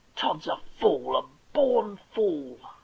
Tod's a fool— a born fool.